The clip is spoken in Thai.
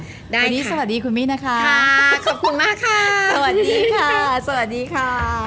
วันนี้สวัสดีคุณมี่นะคะขอบคุณมากค่ะ